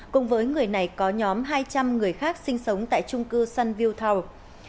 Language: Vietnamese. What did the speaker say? cùng với người này có nhóm hai trăm linh người khác sinh sống tại trung cư sunview town